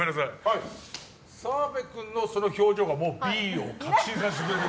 澤部君の表情がＢを確信させてる。